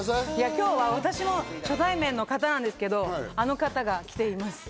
今日は私も初対面の方なんですけど、あの方が来ています。